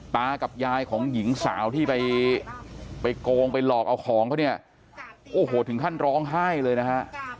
ตากับยายของหญิงสาวที่ไปโกงไปหลอกเอาของเขาเนี่ยโอ้โหถึงขั้นร้องไห้เลยนะฮะ